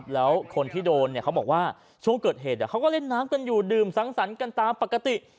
แล้วคนที่โดนเขาบอกว่าช่วงเกิดเหตุเขาก็เล่นน้ำกันอยู่ดื่มสังสรรค์กันตามปกติ